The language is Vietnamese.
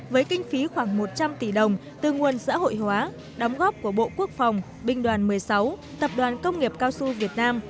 với kinh phí khoảng một trăm linh tỷ đồng từ nguồn xã hội hóa đóng góp của bộ quốc phòng binh đoàn một mươi sáu tập đoàn công nghiệp cao su việt nam